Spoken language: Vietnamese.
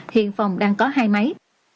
hiện phòng đang có hai máy